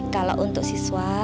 kalau untuk siswa